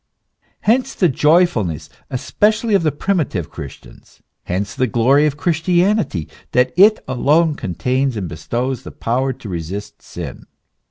Hence the joyfulness especially of the primitive Christians, hence the glory of Christianity that it alone contains and bestows the power to resist sin.